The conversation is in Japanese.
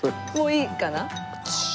もういいかな？